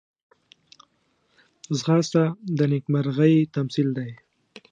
ځغاسته د نېکمرغۍ تمثیل دی